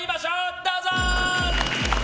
どうぞ！